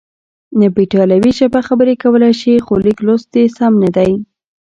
ته په ایټالوي ژبه خبرې کولای شې، خو لیک لوست دې سم نه دی.